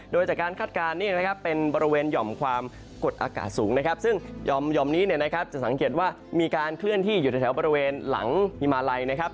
โดยจากการคาดการณ์เนี่ยนะครับเป็นบริเวณหย่อมความกดอากาศสูงนะครับซึ่งห่อมนี้เนี่ยนะครับจะสังเกตว่ามีการเคลื่อนที่อยู่ในแถวบริเวณหลังฮิมาลัยนะครับ